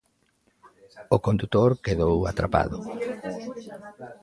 O condutor quedou atrapado.